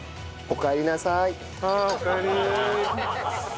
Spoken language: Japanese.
おかえりなさい。